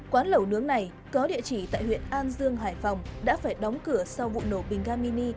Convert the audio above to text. quán lẩu nướng này có địa chỉ tại huyện an dương hải phòng đã phải đóng cửa sau vụ nổ bình ga mini